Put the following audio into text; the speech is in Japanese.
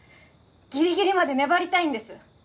ギリギリまで粘りたいんです